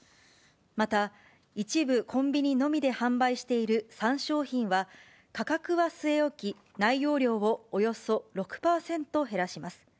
また一部コンビニのみで販売している３商品は、価格は据え置き、内容量をおよそ６％減らします。